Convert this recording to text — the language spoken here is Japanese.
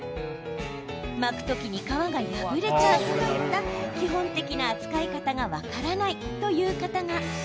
巻く時に皮が破れちゃうといった基本的な扱い方が分からないという方が。